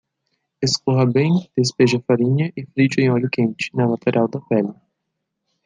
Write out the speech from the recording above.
Escorra bem, despeje a farinha e frite em óleo quente, na lateral da pele.